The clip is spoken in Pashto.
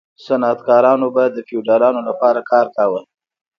صنعتکارانو به د فیوډالانو لپاره کار کاوه.